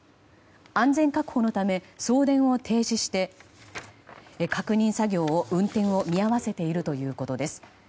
安全確保のため送電を停止して確認作業を運転を見合わせているということです。